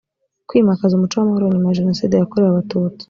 kwimakaza umuco w amahoro nyuma ya jenoside yakorewe abatutsi